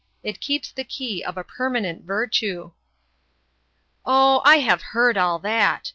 It keeps the key of a permanent virtue." "Oh, I have heard all that!"